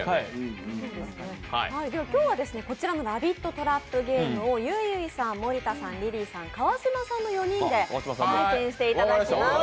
今日はこちらの「ラビットトラップゲーム」をゆいゆいさん、森田さん、リリーさん、川島さんの４人に体験していただきます。